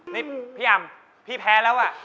นี่พี่อำพี่แพ้แล้วอะ